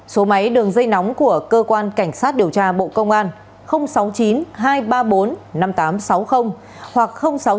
số máy đường dây nóng của cơ quan cảnh sát điều tra bộ công an sáu mươi chín hai trăm ba mươi bốn năm nghìn tám trăm sáu mươi hoặc sáu mươi chín hai trăm ba mươi hai một nghìn sáu trăm sáu mươi